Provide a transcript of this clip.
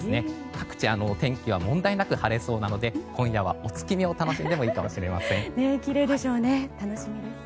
各地、天気は問題なく晴れそうなので今夜はお月見を楽しんでもいいかもしれません。